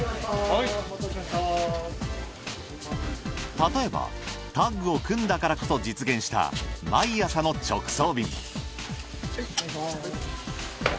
例えばタッグを組んだからこそ実現した毎朝の直送便。